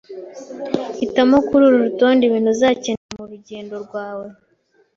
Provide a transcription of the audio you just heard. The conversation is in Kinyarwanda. Hitamo kururu rutonde ibintu uzakenera murugendo rwawe